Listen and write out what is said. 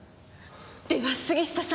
では杉下さん！